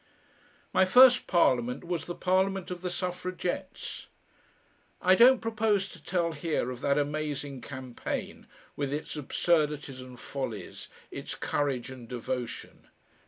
My first parliament was the parliament of the Suffragettes. I don't propose to tell here of that amazing campaign, with its absurdities and follies, its courage and devotion.